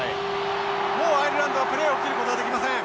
もうアイルランドはプレーを切ることができません。